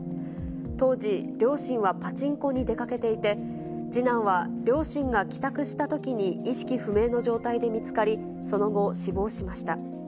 当時、両親はパチンコに出かけていて、次男は両親が帰宅したときに意識不明の状態で見つかり、その後、死亡しました。